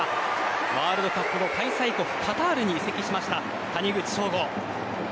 ワールドカップ後開催国・カタールに移籍しました谷口彰悟。